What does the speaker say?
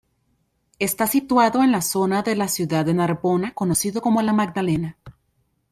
Está situado en la zona de la ciudad de Narbona conocida como la Magdalena.